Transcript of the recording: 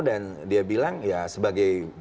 dan dia bilang ya sebagai